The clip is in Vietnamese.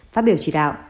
phát biểu chỉ đạo